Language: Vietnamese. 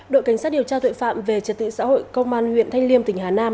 đội cảnh sát điều tra tội phạm về trật tự xã hội công an huyện thanh liêm tỉnh hà nam